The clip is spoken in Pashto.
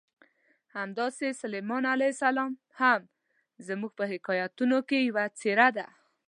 همداسې سلیمان علیه السلام هم زموږ په حکایتونو کې یوه څېره ده.